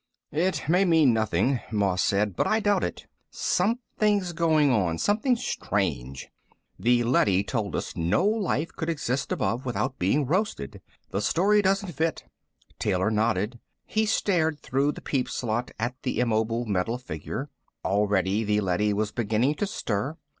"It may mean nothing," Moss said, "but I doubt it. Something's going on, something strange. The leady told us no life could exist above without being roasted. The story doesn't fit." Taylor nodded. He stared through the peep slot at the immobile metal figure. Already the leady was beginning to stir.